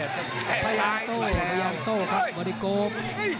ต้องลงไปบริโกฟ